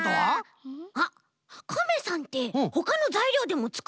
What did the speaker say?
あっカメさんってほかのざいりょうでもつくれそうだよね？